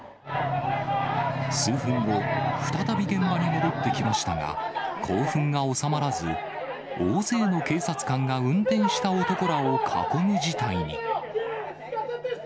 数分後、再び現場に戻ってきましたが、興奮が収まらず、大勢の警察官が運転した男らを囲む事態に。